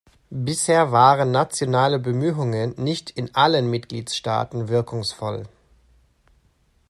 Bisher waren nationale Bemühungen nicht in allen Mitgliedstaaten wirkungsvoll.